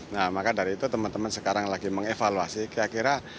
nah maka dari itu teman teman sekarang lagi mengevaluasi kira kira